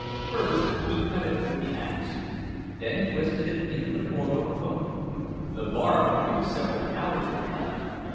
First he cut it with the axe, then twisted it into the form of a hook. The barb took him several hours to cut.